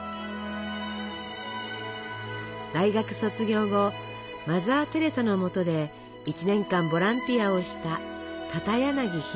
大学卒業後マザー・テレサのもとで１年間ボランティアをした片柳弘史神父。